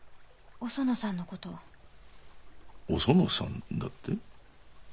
おそのさんだって？